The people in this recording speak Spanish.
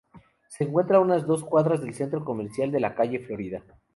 Se encuentra a unas dos cuadras del centro comercial de la calle Florida.